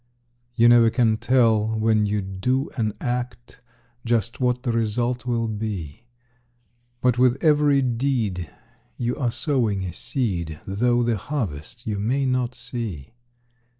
You never can tell when you do an act Just what the result will be; But with every deed you are sowing a seed, Though the harvest you may not see.